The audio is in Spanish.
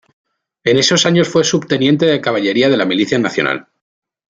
En esos años fue subteniente de caballería de la Milicia Nacional.